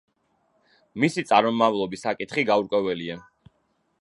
მისი წარმომავლობის საკითხი გაურკვეველია.